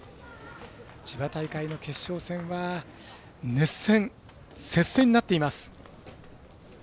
千葉大会の決勝戦は熱戦、接戦になっています。